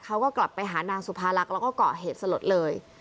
เขาก็กลับไปหานางสุภารักษ์แล้วก็เกาะเหตุสลดเลย